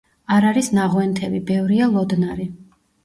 არ არის ნაღვენთები, ბევრია ლოდნარი.